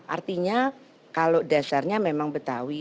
artinya kalau dasarnya memang betawi